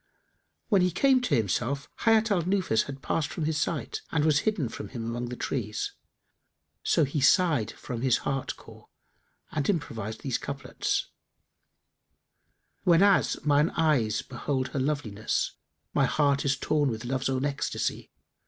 When he came to himself Hayat al Nufus had passed from his sight and was hidden from him among the trees; so he sighed from his heart core and improvised these couplets, "Whenas mine eyes behold her loveliness, * My heart is torn with love's own ecstasy.